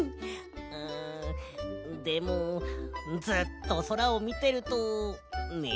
うんでもずっとそらをみてるとねむくなりそう。